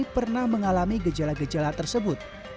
pernah mengalami gejala gejala tersebut